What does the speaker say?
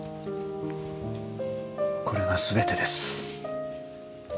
これがすべてです。